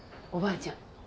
おばあちゃん